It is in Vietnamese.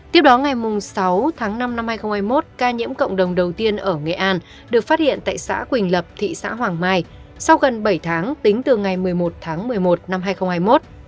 tiếp đó ngày sáu tháng năm năm hai nghìn hai mươi một ca nhiễm cộng đồng đầu tiên ở nghệ an được phát hiện tại xã quỳnh lập thị xã hoàng mai sau gần bảy tháng tính từ ngày một mươi một tháng một mươi một năm hai nghìn hai mươi một